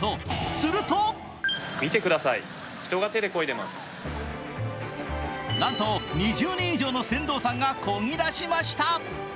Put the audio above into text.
するとなんと２０人以上の船頭さんが漕ぎだしました。